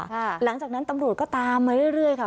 หลังจากนั้นตำรวจก็ตามมาเรื่อยเรื่อยค่ะ